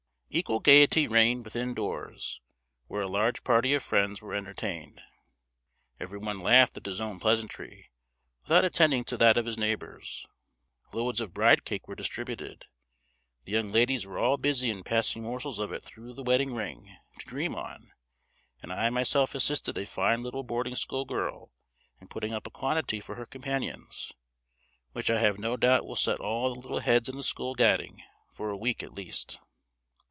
Equal gaiety reigned within doors, where a large party of friends were entertained. Every one laughed at his own pleasantry, without attending to that of his neighbours. Loads of bride cake were distributed. The young ladies were all busy in passing morsels of it through the wedding ring to dream on, and I myself assisted a fine little boarding school girl in putting up a quantity for her companions, which I have no doubt will set all the little heads in the school gadding, for a week at least.